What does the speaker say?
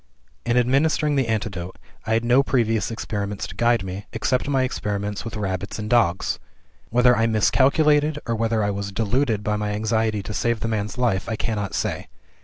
"In administering the antidote, I had no previous experiments to guide me, except my experiments with rabbits and dogs. Whether I miscalculated or whether I was deluded by my anxiety to save the man's life, I cannot say.